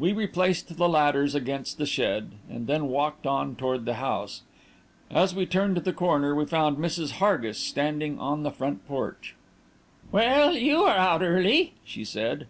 We replaced the ladders against the shed, and then walked on toward the house. As we turned the corner, we found Mrs. Hargis standing on the front porch. "Well, you are out early!" she said.